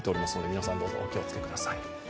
皆さん、どうぞお気をつけください。